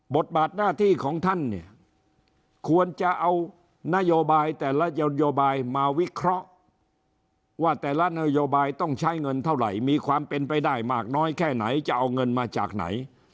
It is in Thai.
บทบาทหน้าที่ของท่านเนี่ยควรจะเอานโยบายแต่ละนโยบายมาวิเคราะห์ว่าแต่ละนโยบายต้องใช้เงินเท่าไหร่มีความเป็นไปได้มากน้อยแค่ไหนจะเอาเงินมาจากไหน